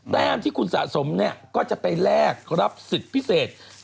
แต้มที่คุณสะสมเนี่ยก็จะไปแลกรับสิทธิ์พิเศษ